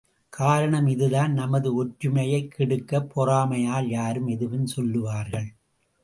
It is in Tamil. காரணம் இதுதான் நமது ஒற்றுமையைக் கெடுக்க, பொறாமையால் யாரும் எதுவும் சொல்லுவார்கள்?